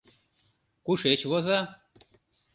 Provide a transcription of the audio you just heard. Кушеч воза?